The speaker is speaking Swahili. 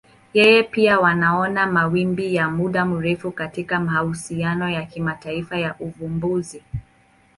Yeye pia wanaona mawimbi ya muda mrefu katika mahusiano ya kimataifa ya uvumbuzi.